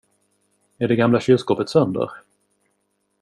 Är det gamla kylskåpet sönder?